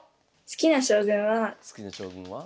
好きな将軍は？